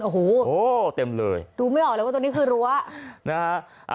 โอ้โหเต็มเลยดูไม่ออกเลยว่าตรงนี้คือรั้วนะฮะ